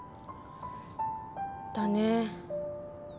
だね。